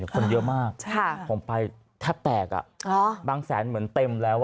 เนี้ยคนเยอะมากค่ะผมไปแทบแตกอ่ะอ๋อบางแสนเหมือนเต็มแล้ว